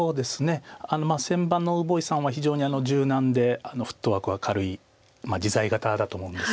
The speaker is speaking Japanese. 先番の呉柏毅さんは非常に柔軟でフットワークが軽い自在型だと思うんです。